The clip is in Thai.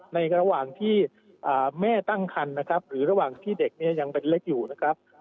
ในระหว่างที่แม่ตั้งคันนะครับหรือระหว่างที่เด็กเนี่ยยังเป็นเล็กอยู่นะครับ